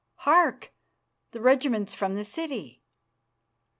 Hark! The regiments from the city!"